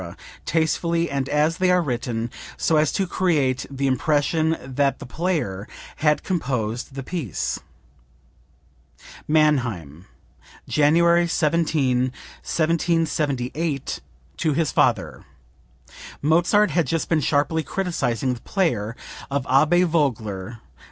tastefully and as they are written, so as to create the impression that the player had composed the piece." (Mannheim, January 17, 1778, to his father. Mozart had just been sharply criticizing the playing of Abbe Vogler.